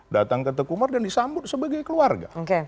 datang ke tekumar dan disambut sebagai keluarga